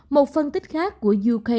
một phân tích khác của ukhsa